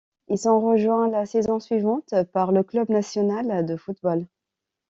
Ils sont rejoints la saison suivante par le Club Nacional de Football.